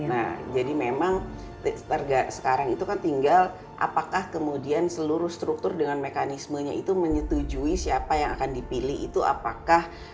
nah jadi memang sekarang itu kan tinggal apakah kemudian seluruh struktur dengan mekanismenya itu menyetujui siapa yang akan dipilih itu apakah